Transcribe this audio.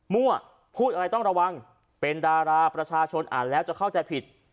พูดอะไรต้องระวังเป็นดาราประชาชนอ่านแล้วจะเข้าใจผิด